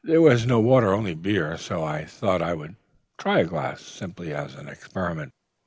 There was no water, only beer: so I thought I would try a glass, simply as an experiment.